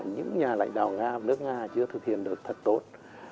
những nhà lãnh đạo nga nước nga chưa thực hiện được thật tốt